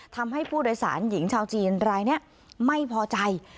ทำให้ผู้โดยสารหญิงชาวจีนรายนี้ไม่พอใจ